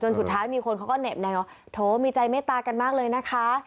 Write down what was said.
สุดท้ายมีคนเขาก็เหน็บในว่าโถมีใจเมตตากันมากเลยนะคะ